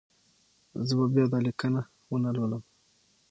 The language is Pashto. زه به بیا دا لیکنه ونه لولم.